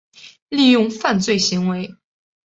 利用犯罪行为